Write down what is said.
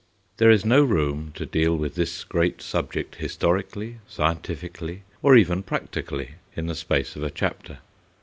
There is no room to deal with this great subject historically, scientifically, or even practically, in the space of a chapter.